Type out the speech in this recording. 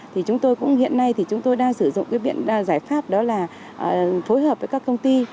thì chúng tôi cũng hiện nay chúng tôi đang sử dụng biện giải pháp đó là phối hợp với các công ty